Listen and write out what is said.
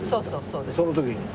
その時に？